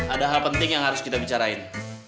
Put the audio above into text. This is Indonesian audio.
ada hal penting yang harus kita bicarain